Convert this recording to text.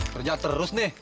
kerja terus nih